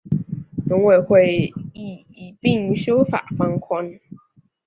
农委会亦一并修法放宽